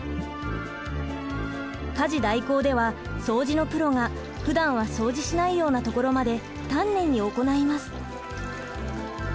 家事代行では掃除のプロがふだんは掃除しないようなところまで丹念に行います。